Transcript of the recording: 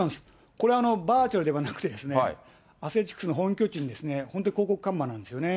これ、バーチャルではなくて、アスレチックスの本拠地に本当に広告看板なんですよね。